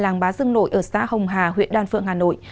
làng bá dương nội ở xã hồng hà huyện đan phượng hà nội